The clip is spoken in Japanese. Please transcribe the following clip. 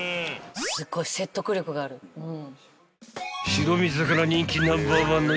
［白身魚人気ナンバーワンの活〆